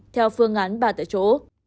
theo phương án bà tại chỗ